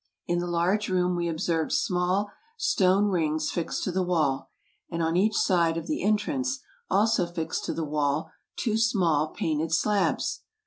In the large room we observed small stone rings fixed to the wall, and on each side of the entrance, also fixed to the wall, two small painted slabs.